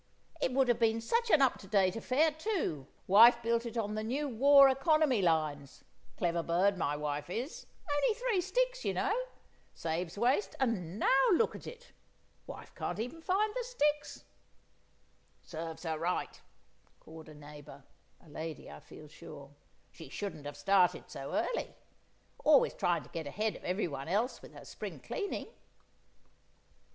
It would have been such an up to date affair, too; wife built it on the new war economy lines—clever bird my wife is—only three sticks, you know; saves waste; and now look at it! Wife can't even find the sticks!" "Serves her right," cawed a neighbour (a lady, I feel sure). "She shouldn't have started so early—always trying to get ahead of everyone else with her spring cleaning!"